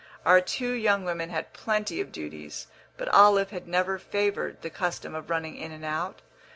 Our two young women had plenty of duties, but Olive had never favoured the custom of running in and out.